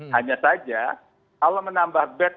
hanya saja kalau menambah bed